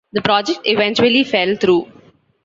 The project eventually fell through.